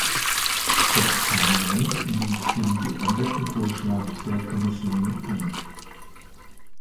Das Parlament nimmt den geänderten Vorschlag der Kommission an.